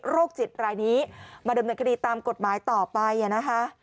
จิตรายนี้มาดำเนินคดีตามกฎหมายต่อไปนะคะ